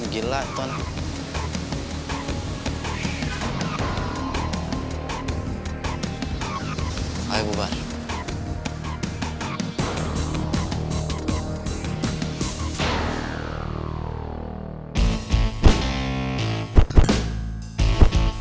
gue juga yakin